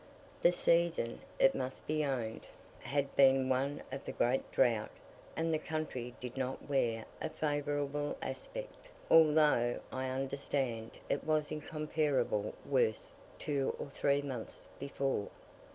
The season, it must be owned, had been one of great drought, and the country did not wear a favourable aspect; although I understand it was incomparably worse two or three months before.